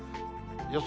予想